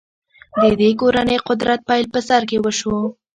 د دې کورنۍ قدرت پیل په سر کې وشو.